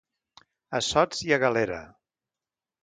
Assots i a galera.